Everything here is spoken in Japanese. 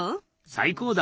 最高だ！